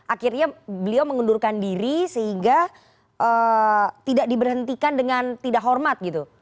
akhirnya beliau mengundurkan diri sehingga tidak diberhentikan dengan tidak hormat gitu